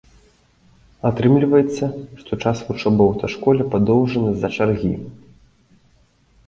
Атрымліваецца, што час вучобы ў аўташколе падоўжаны з-за чаргі.